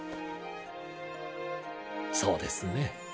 そうですね。